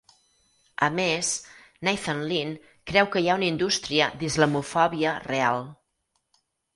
A més, Nathan Lean creu que hi ha una indústria d'islamofòbia real.